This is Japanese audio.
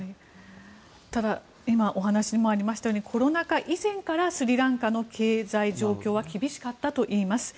ただ、今お話にもありましたようにコロナ禍以前からスリランカの経済状況は厳しかったといいます。